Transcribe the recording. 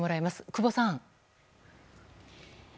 久保さん。